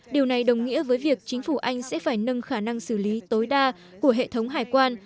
điều này đồng nghĩa với việc chính phủ anh sẽ phải nâng khả năng xử lý tối đa của hệ thống hải quan